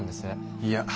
いや。